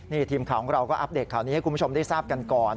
นี่ทีมข่าวของเราก็อัปเดตข่าวนี้ให้คุณผู้ชมได้ทราบกันก่อน